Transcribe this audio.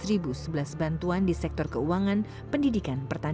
tuberkulosis adalah masalah besar